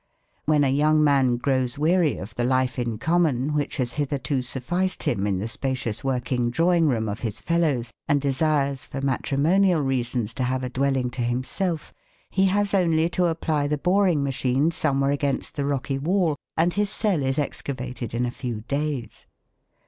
When a young man grows weary of the life in common which has hitherto sufficed him in the spacious working drawing room of his fellows, and desires for matrimonial reasons to have a dwelling to himself, he has only to apply the boring machine somewhere against the rocky wall and his cell is excavated in a few days.